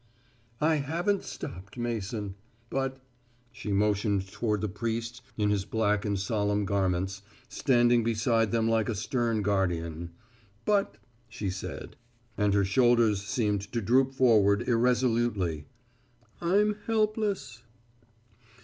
"I haven't stopped, Mason, but " she motioned toward the priest in his black and solemn garments, standing beside them like a stern guardian, "but " she said, and her shoulders seemed to droop forward irresolutely, "I'm helpless."